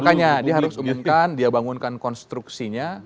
makanya dia harus umumkan dia bangunkan konstruksinya